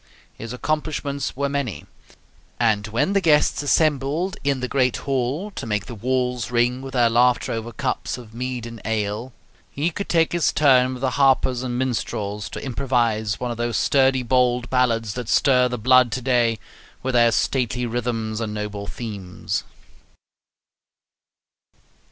His accomplishments were many; and when the guests assembled in the great hall to make the walls ring with their laughter over cups of mead and ale, he could take his turn with the harpers and minstrels to improvise one of those sturdy bold ballads that stir the blood to day with their stately rhythms and noble themes.